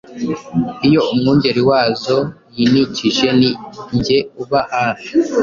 Iyo umwungeri wazo yinikije ni nge uba hafi